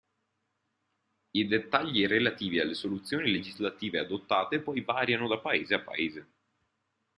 I dettagli relativi alle soluzioni legislative adottate poi variano da Paese a Paese.